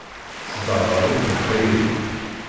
Tesderɣel-iten tayri.